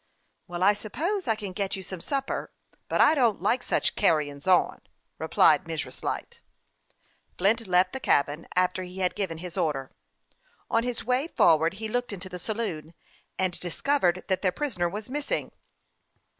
" Well, I suppose I can get you some supper ; but I don't like such carryin's on," replied Mrs. Light. Flint left the cabin, after he had given his order. On his way forward he looked into the saloon, and THE YOUNG PILOT OF LAKE CHAMPLAIN. 291 discovered that their prisoner was missing.